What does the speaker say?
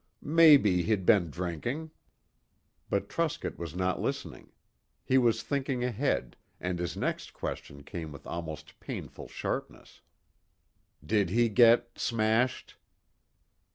"Maybe he'd been drinking." But Truscott was not listening. He was thinking ahead, and his next question came with almost painful sharpness. "Did he get smashed?"